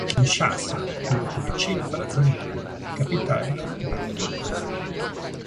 Kinshasa è molto vicina a Brazzaville, capitale della Repubblica del Congo.